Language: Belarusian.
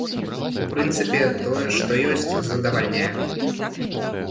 У прынцыпе, тое, што ёсць, задавальняе.